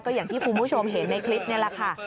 อย่างที่คุณผู้ชมเห็นในคลิปนี่แหละค่ะ